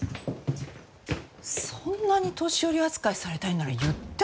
そんなに年寄り扱いされたいなら言ってあげようか？